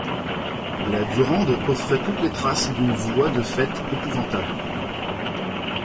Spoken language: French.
La Durande offrait toutes les traces d’une voie de fait épouvantable.